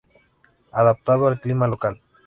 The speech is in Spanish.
Adaptado al clima local.